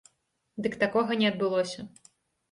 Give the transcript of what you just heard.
Дык такога не адбылося.